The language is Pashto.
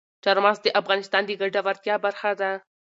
چار مغز د افغانانو د ګټورتیا برخه ده.